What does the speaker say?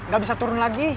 gak bisa turun lagi